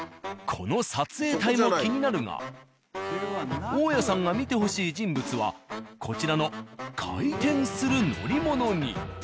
この撮影隊も気になるが大谷さんが見てほしい人物はこちらの回転する乗り物に。